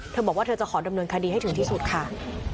เธอบอกว่าเธอจะขอดำเนินคดีให้ถึงที่สุดค่ะ